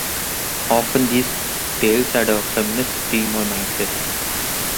Often these tales had a feminist theme or mindset.